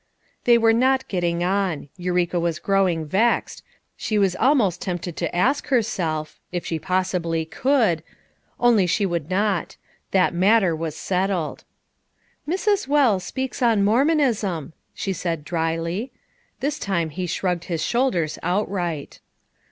They were not getting on ; Eureka was grow ing vexed; she was almost tempted to ask her self — if she possibly could— only she would not ; that matter was settled. "Mrs. Wells speaks on Mormonism," she said drily. This time he shrugged his shoul ders outright.